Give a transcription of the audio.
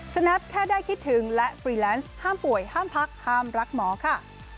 แนปแค่ได้คิดถึงและฟรีแลนซ์ห้ามป่วยห้ามพักห้ามรักหมอค่ะ